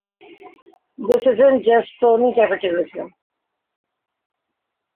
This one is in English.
This isn't just crony capitalism.